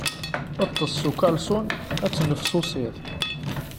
Ṭṭes s ukalṣun, ad tennefsusiḍ.